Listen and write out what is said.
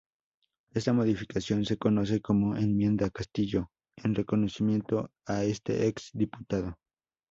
Esta modificación se conoce como "enmienda Castillo", en reconocimiento a este ex diputado.